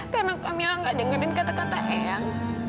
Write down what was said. karena kamila gak dengerin kata kata ayah